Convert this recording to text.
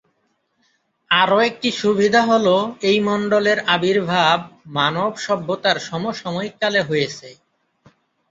আরও একটি সুবিধা হল এই মণ্ডলের আবির্ভাব মানব সভ্যতার সমসাময়িক কালে হয়েছে।